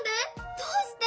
どうして？